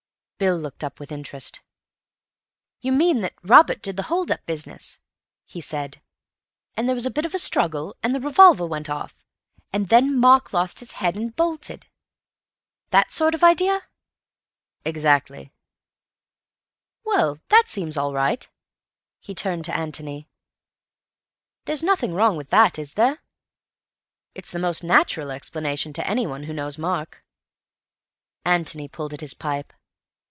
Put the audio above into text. Bill looked up with interest. "You mean that Robert did the hold up business," he said, "and there was a bit of a struggle, and the revolver went off, and then Mark lost his head and bolted? That sort of idea?" "Exactly." "Well, that seems all right." He turned to Antony. "There's nothing wrong with that, is there? It's the most natural explanation to anyone who knows Mark." Antony pulled at his pipe.